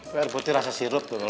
biar putih rasa sirup tuh